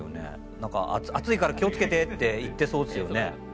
何か「熱いから気をつけて！」って言ってそうですよね。